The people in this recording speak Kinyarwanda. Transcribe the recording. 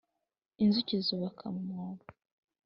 Inzuki zubaka mu mwobo